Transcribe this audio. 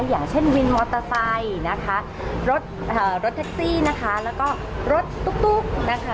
อย่างเช่นวินมอเตอร์ไฟล์รถแท็กซี่และรถตุ๊ก